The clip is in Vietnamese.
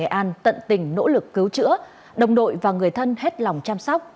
và bệnh viện nghệ an tận tình nỗ lực cứu chữa đồng đội và người thân hết lòng chăm sóc